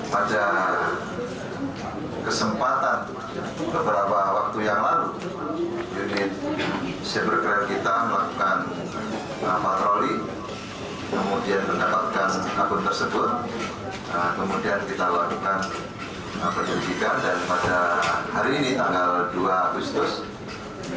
pada kesempatan beberapa waktu yang lalu unit cybercrime kita melakukan patroli